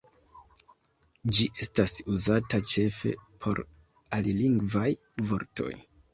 Ĝi estas uzata ĉefe por alilingvaj vortoj.